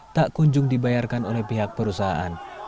tak kunjung dibayarkan oleh pihak perusahaan